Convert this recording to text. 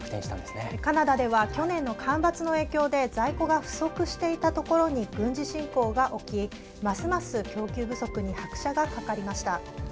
カナダでは去年の干ばつの影響で、在庫が不足していたところに軍事侵攻が起きますます供給不足に拍車がかかりました。